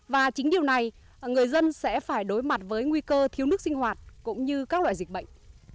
và chính điều này người dân sẽ phải đối mặt với nguy cơ thiếu nước sinh hoạt cũng như các loại dịch bệnh